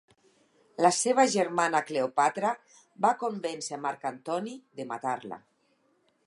La seva germana Cleòpatra va convèncer a Marc Antoni de matar-la.